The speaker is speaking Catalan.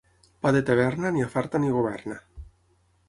Pa de taverna ni afarta ni governa.